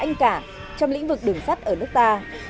anh cả trong lĩnh vực đường sắt ở nước ta